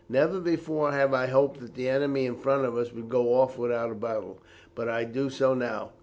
Never before have I hoped that the enemy in front of us would go off without a battle, but I do so now.